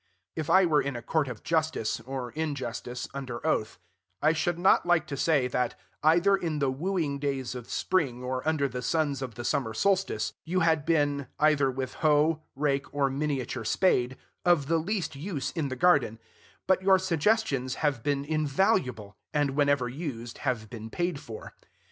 If I were in a court of justice, or injustice, under oath, I should not like to say, that, either in the wooing days of spring, or under the suns of the summer solstice, you had been, either with hoe, rake, or miniature spade, of the least use in the garden; but your suggestions have been invaluable, and, whenever used, have been paid for.